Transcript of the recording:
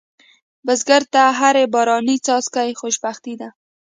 بزګر ته هر باراني څاڅکی خوشبختي ده